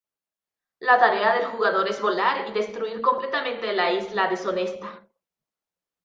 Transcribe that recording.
La tarea del jugador es volar y destruir completamente la isla deshonesta.